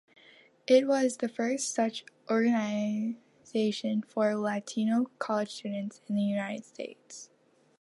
It was the first such organization for Latino college students in the United States.